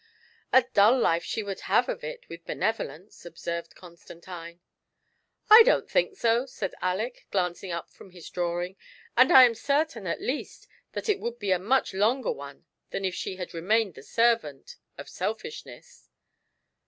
" A dull life she would have of it with Benevolence," observed Constantine. " I don't think so," said Aleck, glancing up from his drawing; "and I am certain, at least, that it woidd be a much longer one than if she had remained the servant of Selfishness."